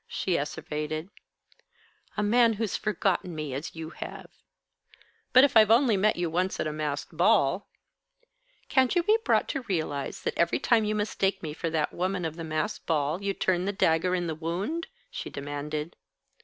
"Never, never, never," she asseverated. "A man who's forgotten me as you have!" "But if I've only met you once at a masked ball " "Can't you be brought to realise that every time you mistake me for that woman of the masked ball you turn the dagger in the wound?" she demanded.